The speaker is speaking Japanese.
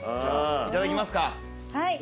いただきます。